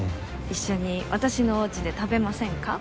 一緒に私のおうちで食べませんか？